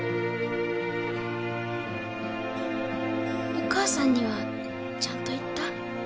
お母さんにはちゃんと言った？